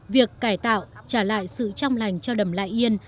việc cải tạo trả lại sự trong lành cho đầm lại yên